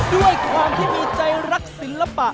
ด้วยความที่มีใจรักศิลปะ